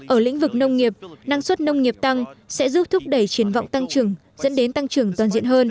ở lĩnh vực nông nghiệp năng suất nông nghiệp tăng sẽ giúp thúc đẩy triển vọng tăng trưởng dẫn đến tăng trưởng toàn diện hơn